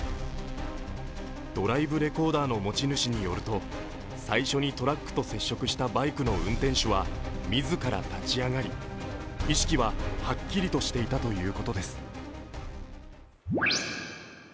ドライブレコーダーの持ち主によると最初にトラックと接触したバイクの運転手は自ら立ち上がり意識ははっきりとしていたということです。